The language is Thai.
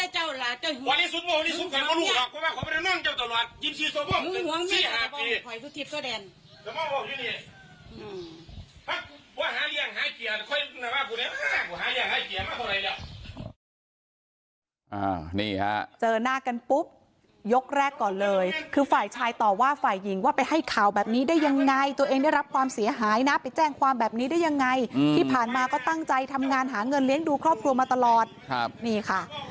นี่ฮะเจอหน้ากันปุ๊บยกแรกก่อนเลยคือฝ่ายชายต่อว่าฝ่ายหญิงว่าไปให้ข่าวแบบนี้ได้ยังไงตัวเองได้รับความเสียหายนะไปแจ้งความแบบนี้ได้ยังไงที่ผ่านมาก็ตั้งใจทำงานหาเงินเลี้ยงดูครอบครัวมาตลอดครับนี่ค่ะ